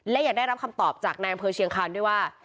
และอยากได้รับคำตอบจากนายอำเภอเชียงคานด้วยว่า